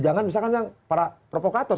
jangan misalkan para provokator